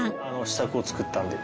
試作を作ったんで。